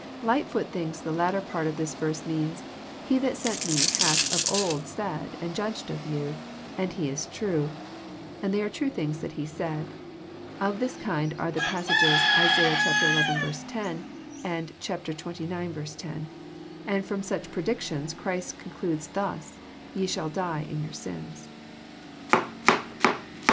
Ughtfoot thinks the latter part of this verse means :'< He that sent Me hath of old said and judged of you, and He is true, and they are true things that He said. Of this kind are the passages Isaiah zi. 10, and xxix. 10, and ftrom such predictions Christ concludes thus —* ye shall die In your sins.'